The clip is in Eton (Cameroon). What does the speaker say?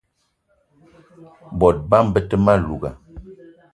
Bot bama be te ma louga